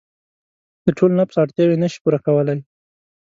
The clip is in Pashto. د ټول نفوس اړتیاوې نشي پوره کولای.